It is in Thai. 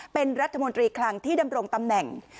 เป็นรัฐมนตรีคลังที่ดำรงตำแหน่ง